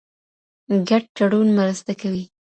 ګډ تړون مرسته کوي.